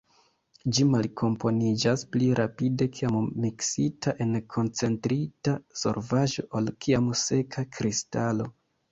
Ĝi malkomponiĝas pli rapide kiam miksita en koncentrita solvaĵo ol kiam seka kristalo.